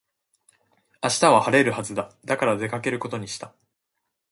明日は晴れるはずだ。だから出かけることにした。